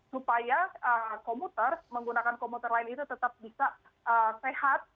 supaya komputer menggunakan komputer lain itu tetap bisa sehat